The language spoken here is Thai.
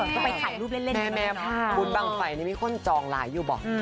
ก็ไปขายรูปเล่นนิดหนึ่งนะแม่บุญบังไฟนี้มีคนจองไลน์อยู่บ่ะ